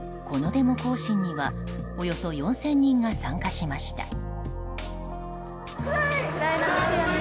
このデモ行進にはおよそ４０００人が参加しました。